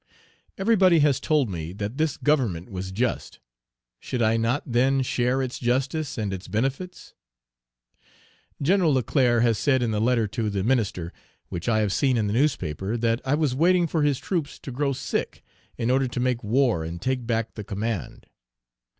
Everybody has told me that this Government was just; should I not, then, share its justice and its benefits? Gen. Leclerc has said in the letter to the minister, which I have seen in the newspaper, that I was waiting for his troops to grow sick, in order to make war and take back the command.